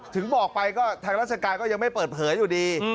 ถึงบอกไปก็ทางราชการก็ยังไม่เปิดเผยอยู่ดี